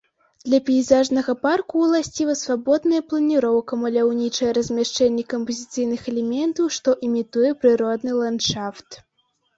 Для пейзажнага парку ўласціва свабодная планіроўка, маляўнічае размяшчэнне кампазіцыйных элементаў, што імітуе прыродны ландшафт.